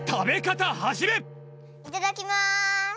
いただきます！